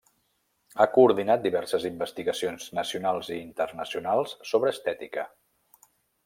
Ha coordinat diverses investigacions nacionals i internacionals sobre estètica.